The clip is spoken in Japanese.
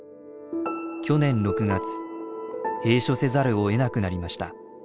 去年６月閉所せざるをえなくなりました。